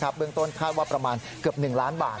เบื้องต้นคาดว่าประมาณเกือบ๑ล้านบาท